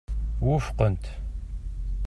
Wufqent.